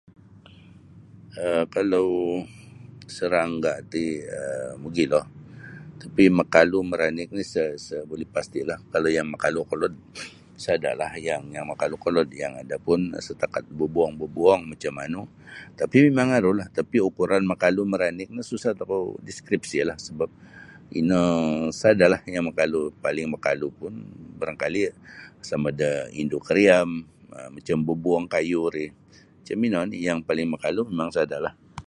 um kalau sarangga' ti um mogilo tapi' makalu maranik no sa' sa' buli pastilah kalau yang makalu kolod sadalah yang makalu kolod yang ada pun setakat bobuong-bobuong macam manu tapi mimang arulah tapi ukuran makalu maranik no susah tokou deskripsilah sebap ino sada'lah yang makalu paling makalu pun barangkali sama' da indu' kariam um macam bobuong kayu ri macam ino oni' yang paling makalu mimang sada'lah.